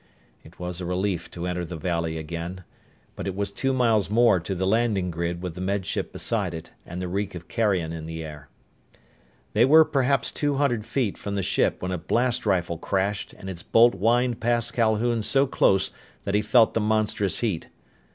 It was a relief to enter the valley again. But it was two miles more to the landing grid with the Med Ship beside it and the reek of carrion in the air. They were perhaps two hundred feet from the ship when a blast rifle crashed and its bolt whined past Calhoun so close that he felt the monstrous heat.